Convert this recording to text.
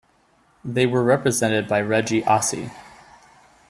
They were represented by Reggie Osse.